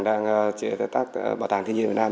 đang chế tác bảo tàng thiên nhiên việt nam